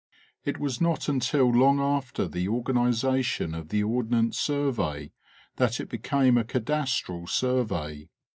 It was not until long after the organization of the Ordnance Survey that it became a cadastral survey.